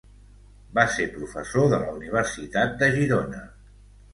Va ser professor de la Universitat de Girona.